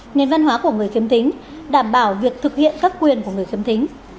nền văn hóa của người khiếm thính đảm bảo việc thực hiện các quyền của người khiếm thính